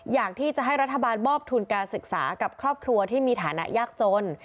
อยากที่จะให้รัฐบาลมอบทุนการศึกษากับครอบครัวที่มีฐานะยากจน